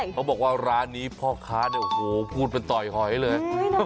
เขาบอกว่าร้านนี้พ่อค้าเนี่ยโอ้โหพูดเป็นต่อยหอยเลย